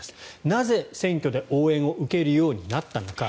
なぜ選挙で応援を受けるようになったのか。